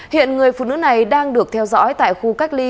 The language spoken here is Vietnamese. hiện người phụ nữ này đang được theo dõi tại khu cách ly